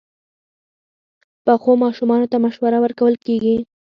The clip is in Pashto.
پخو ماشومانو ته مشوره ورکول کېږي